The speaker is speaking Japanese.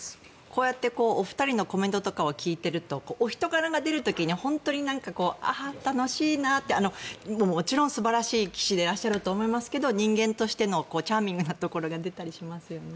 こうやってお二人のコメントを聞いているとお人柄が出る時に本当にああ、楽しいなってもちろん素晴らしい棋士でいらっしゃると思いますけど人間としてのチャーミングなところが出たりしますよね。